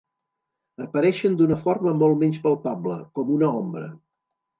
Apareixen d'una forma molt menys palpable, com una ombra.